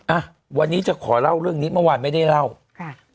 อ่ะวันนี้จะขอเล่าเรื่องนี้เมื่อวานไม่ได้เล่าค่ะ